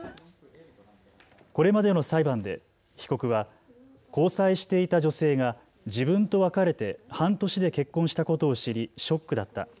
これまでの裁判で被告は交際していた女性が自分と別れて半年で結婚したことを知り、ショックだった。